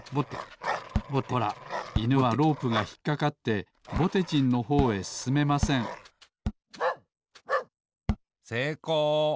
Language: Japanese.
ほらいぬはロープがひっかかってぼてじんのほうへすすめませんせいこう。